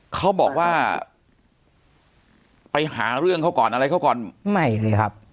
เขาบอกว่าไปหาเรื่องเขาก่อนอะไรเขาก่อนไม่สิครับ